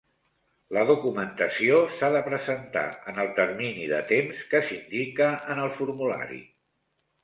La documentació s'ha de presentar en el termini de temps que s'indica en el formulari.